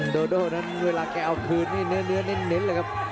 โดโดนั้นเวลาแก้อพื้นเนื้อเน็นแหละครับ